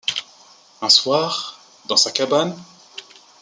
Un soir, dans sa cabane.